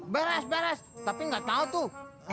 beres beres tapi nggak tahu tuh